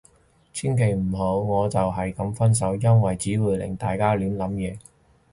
千祈唔好，我就係噉分手。因為只會令大家亂諗嘢